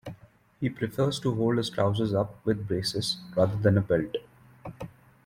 He prefers to hold his trousers up with braces rather than a belt